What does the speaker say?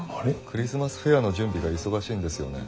クリスマスフェアの準備が忙しいんですよね？